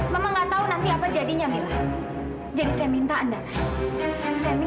mama nggak tahu nanti apa jadinya mila jadi saya minta andara saya minta tolong sama kamu